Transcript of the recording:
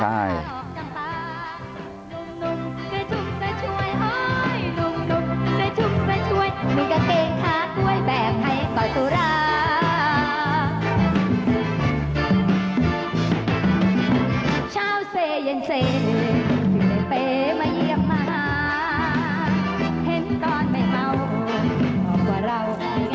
เมื่อกี๊สวัสดีครับ